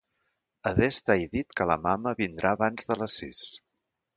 Adés t'hai dit que la mama vindrà abans de les sis.